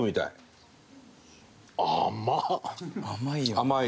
甘い。